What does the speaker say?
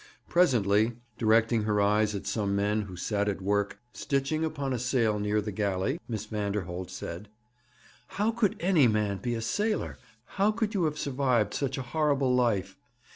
Presently, directing her eyes at some men who sat at work stitching upon a sail near the galley, Miss Vanderholt said: 'How could any man be a sailor! How could you have survived such a horrible life!